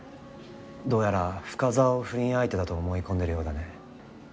どうやら深沢を不倫相手だと思い込んでるようだね。